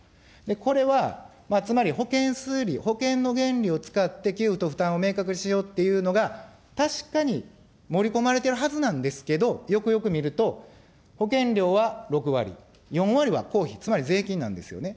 これはつまり、保険数理、保険の原理を使って、給付と負担を明確にしようというのが確かに盛り込まれてるはずなんですけど、よくよく見ると、保険料は６割、４割は公費、つまりつまり税金なんですよね。